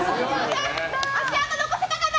足跡残せたかな！